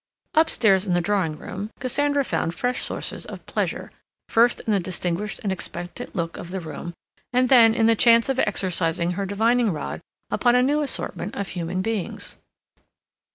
Upstairs in the drawing room Cassandra found fresh sources of pleasure, first in the distinguished and expectant look of the room, and then in the chance of exercising her divining rod upon a new assortment of human beings.